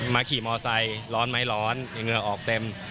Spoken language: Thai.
มาขี่มอเซอร์ไซค์ร้อนไหมร้อนเหงื่อออกเต็ม